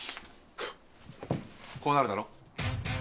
こうなるだろ。